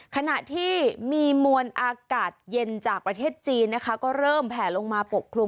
ขณะที่มีมวลอากาศเย็นจากประเทศจีนนะคะก็เริ่มแผ่ลงมาปกคลุม